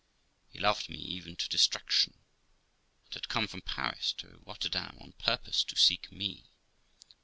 He loved me even to distraction, and had come from Paris to Rotterdam on purpose to seek me.